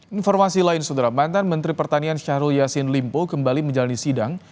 informasi lain sudra mantan menteri pertanian syahrul yassin limpo kembali menjalani sidang